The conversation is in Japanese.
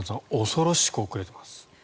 恐ろしく遅れています。